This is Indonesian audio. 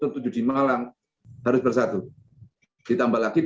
karena didapat pertanyaannya dari kehendak umfinder direjela dan jurid